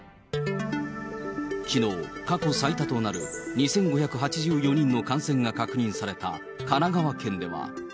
きのう、過去最多となる２５８４人の感染が確認された神奈川県では。